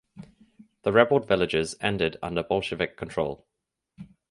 The rebelled villages ended under Bolshevik control.